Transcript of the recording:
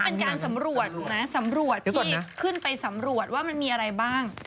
เป็นการสำรวจถูกไหมสำรวจที่ขึ้นไปสำรวจว่ามันมีอะไรบ้าง